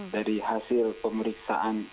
dari hasil pemeriksaan